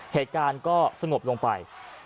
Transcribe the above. เหตุการณ์ก็สงบลงไป